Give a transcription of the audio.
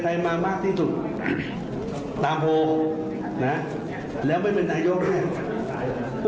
ใครมากที่สุดคนนั้นก็เป็นนายก